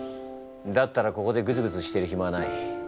だったらここでぐずぐずしてるひまはない。